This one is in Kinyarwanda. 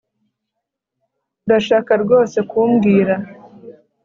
Urashaka rwose kumbwira